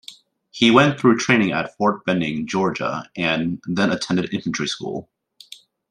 He went through training at Fort Benning, Georgia, and then attended infantry school.